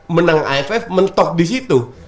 menang aff mentok disitu